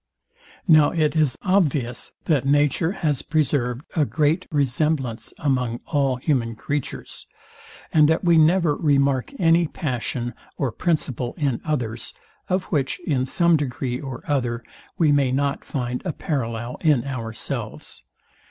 Now it is obvious, that nature has preserved a great resemblance among all human creatures, and that we never remark any passion or principle in others, of which, in some degree or other, we may not find a parallel in ourselves.